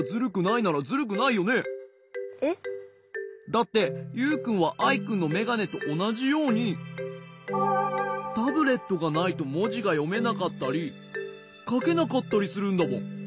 だってユウくんはアイくんのめがねとおなじようにタブレットがないともじがよめなかったりかけなかったりするんだもん。